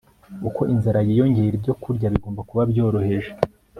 Uko Inzara Yiyongera Ibyokurya Bigomba Kuba Byoroheje